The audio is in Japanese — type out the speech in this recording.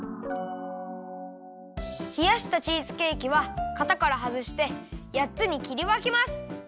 ひやしたチーズケーキはかたからはずしてやっつにきりわけます。